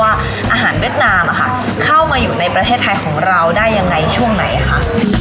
ว่าอาหารเวียดนามเข้ามาอยู่ในประเทศไทยของเราได้ยังไงช่วงไหนคะ